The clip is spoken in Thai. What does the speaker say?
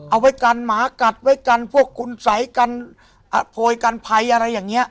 เอาไว้กันหมากัดไว้กันพวกคุณสัยกันโพยกันภัยอะไรอย่างนี้